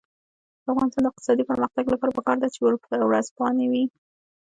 د افغانستان د اقتصادي پرمختګ لپاره پکار ده چې ورځپاڼې وي.